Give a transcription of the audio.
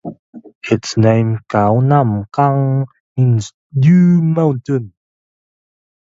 Its name "Khao Nam Khang" means "dew mountain".